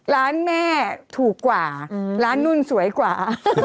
ร้านแม่ถูกกว่าร้านนู่นสวยกว่า